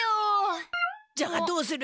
じゃがどうする？